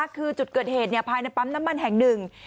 คือจุดเกิดเหตุภายในปั๊มน้ำมันแห่งหนึ่ง